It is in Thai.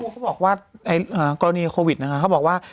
เขาบอกว่ากรณีโควิดนะคะเขาบอกว่า